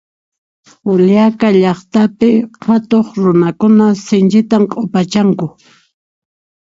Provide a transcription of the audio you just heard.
Juliaca llaqtapi qhatuq runakuna sinchita q'upachanku